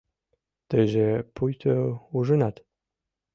— Тыйже пуйто ужынат?